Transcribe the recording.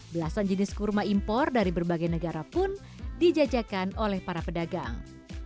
belasan jenis kurma impor dari berbagai negara pun dijajakan oleh para pedagang